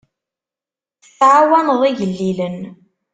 Tettɛawaneḍ igellilen.